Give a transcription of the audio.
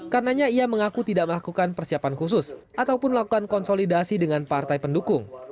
karenanya ia mengaku tidak melakukan persiapan khusus ataupun melakukan konsolidasi dengan partai pendukung